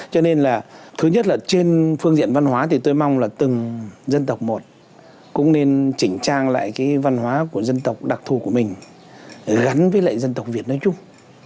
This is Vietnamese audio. cho nên là thứ nhất là trên phương diện văn hóa thì tôi mong là từng dân tộc một cũng nên chỉnh trang lại cái văn hóa của dân tộc đặc thù của mình gắn với lại dân tộc việt nói chung